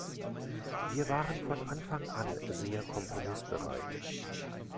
Wir waren von Anfang an sehr kompromissbereit.